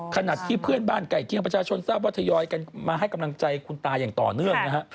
ขณะที่เพื่อนบ้านใกล้เคียงประชาชนทราบว่าทยอยกันมาให้กำลังใจคุณตาอย่างต่อเนื่องนะฮะ